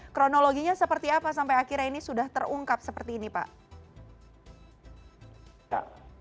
kronologinya seperti apa sampai akhirnya ini sudah terungkap seperti ini pak